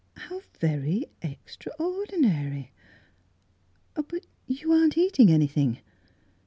" How very — extraordinary ! But you — you aren't eating anything."